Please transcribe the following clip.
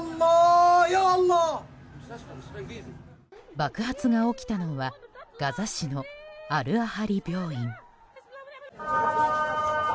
爆発が起きたのはガザ市のアル・アハリ病院。